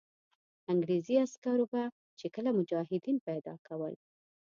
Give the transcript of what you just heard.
انګرېزي عسکرو به چې کله مجاهدین پیدا کول.